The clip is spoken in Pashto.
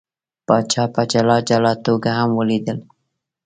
پاچا په جلا جلا توګه هم ولیدل.